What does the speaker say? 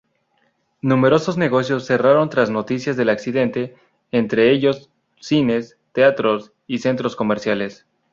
Numerosos negocios cerraron tras noticias del accidente, entre ellos cines, teatros y centros comerciales.